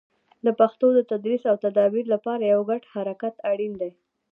د پښتو د تدریس او تدابیر لپاره یو ګډ حرکت اړین دی.